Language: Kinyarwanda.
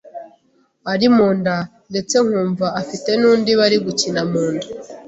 ari mu nda ndetse nkumva afite n’undi bari gukina mu nda